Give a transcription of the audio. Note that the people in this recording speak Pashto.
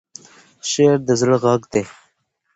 شعر د زړه غږ دی.